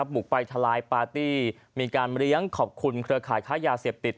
บุกไปทลายปาร์ตี้มีการเลี้ยงขอบคุณเครือข่ายค้ายาเสพติด